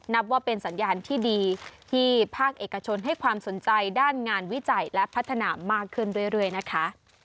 นับว่าเป็นสัญญาณที่ดีที่ภาคเอกชนให้ความสนใจด้านงานวิจัยและพัฒนามากขึ้นเรื่อยนะคะ